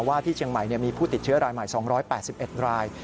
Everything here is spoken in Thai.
ที่เชียงใหม่มีผู้ติดเชื้อรายใหม่๒๘๑ราย